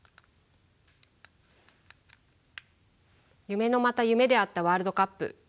夢のまた夢であったワールドカップ。